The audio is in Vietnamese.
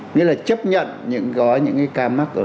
nghĩa là chấp nhận những ca mắc